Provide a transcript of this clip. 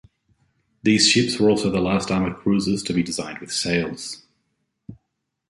These ships were also the last armoured cruisers to be designed with sails.